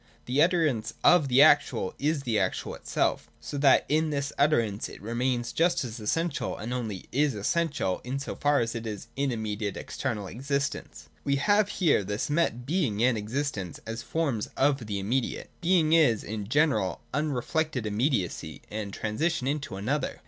The utterance of the actual is the actual itself: so that in this utterance it remains just as essential, and only is essential, in so far as it is in immediate external existence. We have ere this met Being and Existence as forms of the immediate. Being is, in general, unreflected im mediacy and transition into another.